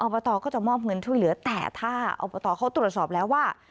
บตก็จะมอบเงินช่วยเหลือแต่ถ้าอบตเขาตรวจสอบแล้วว่า